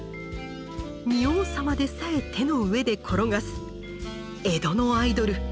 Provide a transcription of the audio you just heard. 仁王様でさえ手の上で転がす江戸のアイドルおそるべし。